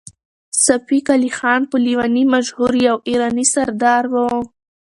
صفي قلي خان په لېوني مشهور يو ایراني سردار و.